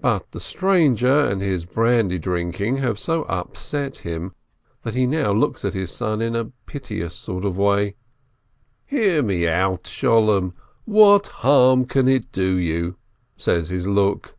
But the stranger and his brandy drinking have so upset him that he now looks at his son in a piteous sort of way. "Hear me out, Sholem, what harm can it do you?" says his look.